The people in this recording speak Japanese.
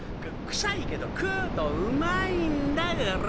臭いけど食うとうまいんだ。